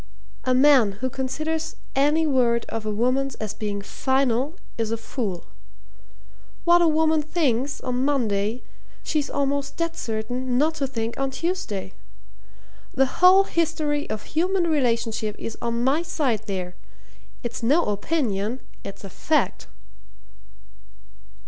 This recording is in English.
A man who considers any word of a woman's as being final is a fool. What a woman thinks on Monday she's almost dead certain not to think on Tuesday. The whole history of human relationship is on my side there. It's no opinion it's a fact."